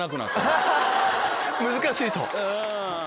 難しい！と。